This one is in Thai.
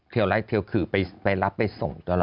ที่ทำรัฐที่วกือไปรับไปส่งตลอดเลยละ